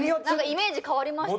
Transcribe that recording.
「イメージ変わりました」